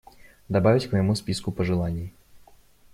Добавить к моему списку пожеланий.